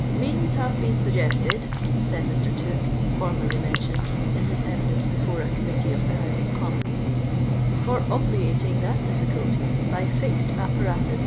" Means have been suggested,'* said Mr. Tookf, formerly mentioned, in his evidence befor« a Committee of the House of Commons, "for ob viating that dilficulty by fixed app.iratus